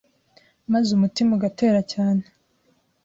maze umutima ugatera cyane,